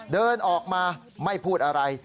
เดินออกมาไม่พูดอะไร